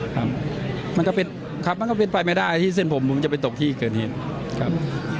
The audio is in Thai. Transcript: ครับมันก็เป็นครับมันก็เป็นไปไม่ได้ที่เส้นผมมึงจะไปตกที่เกิดเหตุครับ